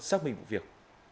xác minh vụ việc